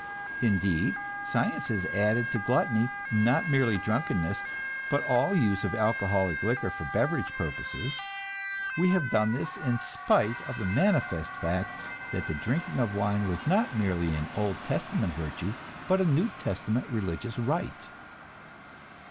Indeed, science has added to gluttony, not merely drunkenness, but all use of alcoholic liquor for beverage purposes; we have done this in spite of the manifest fact that the drinking of wine was not merely an Old Testament virtue, but a New Testament religious rite.